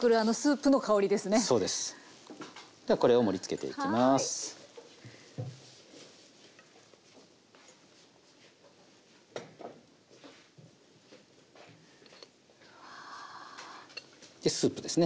でスープですね。